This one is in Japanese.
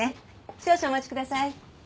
少々お待ちください。